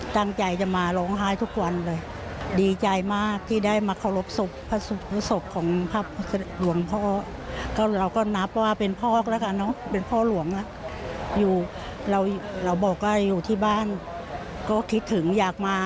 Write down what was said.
ตื่นตันคุ่มไม่ออกเลย